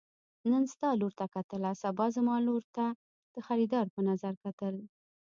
نن ستا لور کتله سبا زما لور ته د خريدار په نظر کتل.